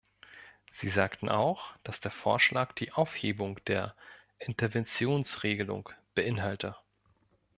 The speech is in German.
Sie sagten auch, dass der Vorschlag die Aufhebung der Interventionsregelung beinhalte.